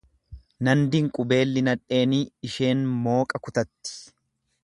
Nan dinqu beelli nadheenii isheen mooqa kutatti.